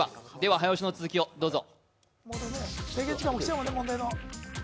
早押しの続きどうぞ。